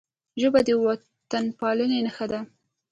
ژبه د وطنپالنې نښه ده